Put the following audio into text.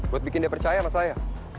buat bikin dia percaya sama saya